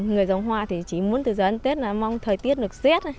người giống hoa thì chỉ muốn từ giờ đến tết là mong thời tiết được xiết